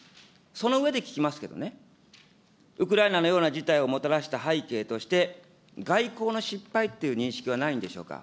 その上で聞きますけどね、ウクライナのような事態をもたらした背景として、外交の失敗っていう認識はないんでしょうか。